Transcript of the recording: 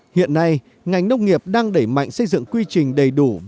hiện nay ngành nông nghiệp đang đẩy mạnh xây dựng quy trình đầy đủ